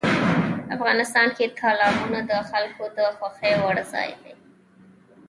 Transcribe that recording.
افغانستان کې تالابونه د خلکو د خوښې وړ ځای دی.